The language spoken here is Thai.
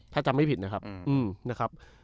ถ้าจำไม่ผิดนะครับ